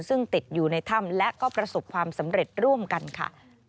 ซึ่งติดอยู่ในถ้ำและก็ประสบความสำเร็จร่วมกันค่ะ